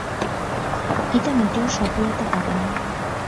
এটা মোটেও সফলতা পাবে না।